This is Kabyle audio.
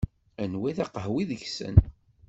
Anwa i d aqehwi deg-sen?